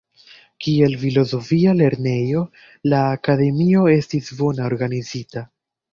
Kiel filozofia lernejo, la Akademio estis bone organizita.